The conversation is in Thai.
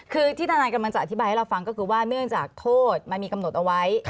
คือที่ทนายกำลังจะอธิบายให้เราฟังก็คือว่าเนื่องจากโทษมันมีกำหนดเอาไว้